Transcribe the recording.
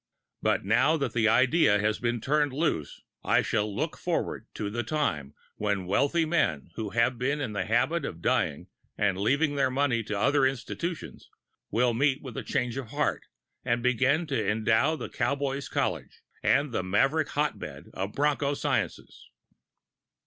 But now that the idea has been turned loose, I shall look forward to the time when wealthy men who have been in the habit of dying and leaving their money to other institutions, will meet with a change of heart, and begin to endow the cowboys' college, and the Maverick hotbed of broncho sciences.